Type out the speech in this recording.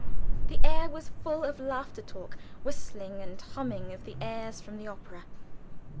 The air was full of laughter, talk, whistling and humming of the airs from the opera.